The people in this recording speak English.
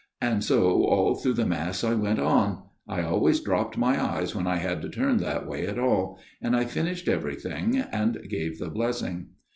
And so all through the Mass I went on ; I always dropped my eyes when I had to turn that way at all ; and I finished everything and gave the blessing.